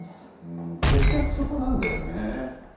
んー結局そこなんだよね。